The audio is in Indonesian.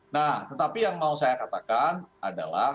nah tetapi yang mau saya katakan adalah